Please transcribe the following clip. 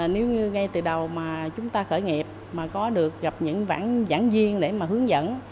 nếu như ngay từ đầu mà chúng ta khởi nghiệp mà có được gặp những vãn giảng viên để mà hướng dẫn